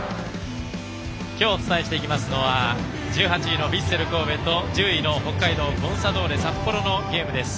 今日お伝えしていきますのは１８位のヴィッセル神戸と１０位の北海道コンサドーレ札幌のゲームです。